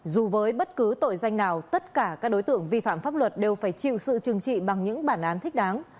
dù với bất cứ tội danh nào tất cả các đối tượng vi phạm pháp luật đều phải chịu sự trừng trị bằng những bản án thích đáng